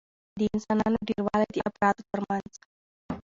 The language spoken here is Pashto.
د انسانانو ډېروالي د افرادو ترمنځ